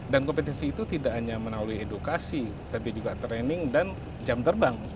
dan kompetensi itu tidak hanya menalui edukasi tapi juga training dan jam terbang